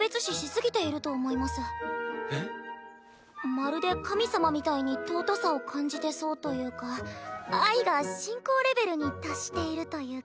まるで神様みたいに尊さを感じてそうというか愛が信仰レベルに達しているというか。